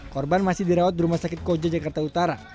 korban masih dirawat di rumah sakit koja jakarta utara